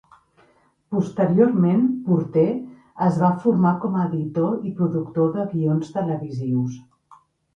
Posteriorment Porter es va formar com a editor i productor de guions televisius.